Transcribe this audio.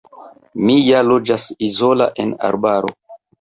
Mi ja loĝas izola, en arbaro.